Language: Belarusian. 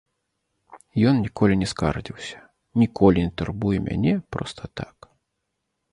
Ён ніколі не скардзіўся, ніколі не турбуе мяне проста так.